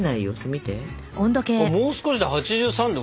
もう少しで８３℃